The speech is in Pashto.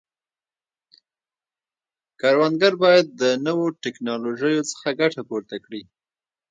کروندګر باید د نوو ټکنالوژیو څخه ګټه پورته کړي.